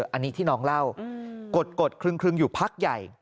อันนี้ที่น้องเล่ากดคลึงอยู่พักใหญ่